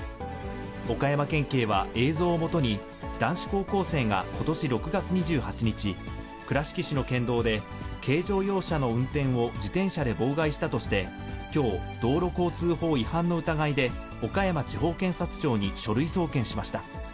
岡山県警は映像をもとに、男子高校生がことし６月２８日、倉敷市の県道で、軽乗用車の運転を自転車で妨害したとして、きょう、道路交通法違反の疑いで、岡山地方検察庁に書類送検しました。